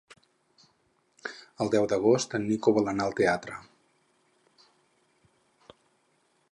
El deu d'agost en Nico vol anar al teatre.